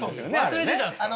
忘れてたんですね。